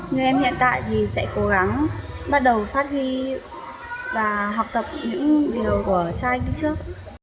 người em hiện tại thì sẽ cố gắng bắt đầu phát huy và học tập những điều của cha anh đi trước